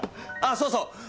あっそうそう！